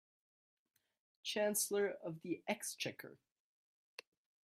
Chancellor of the Exchequer